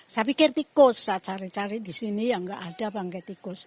saya pikir tikus saya cari cari di sini ya nggak ada bangkai tikus